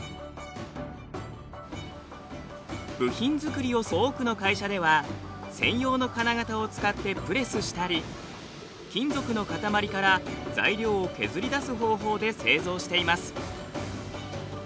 部品作りをする多くの会社では専用の金型を使ってプレスしたり金属の塊から材料を削り出す方法で製造しています。